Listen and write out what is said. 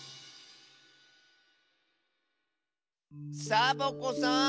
サボ子さん